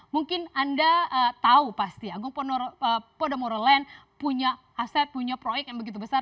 mungkin anda tahu pasti agung podomoro land punya aset punya proyek yang begitu besar